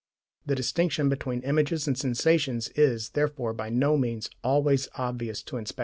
The distinction between images and sensations is, therefore, by no means always obvious to inspection.